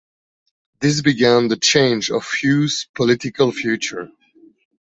This began the change of Hu's political future.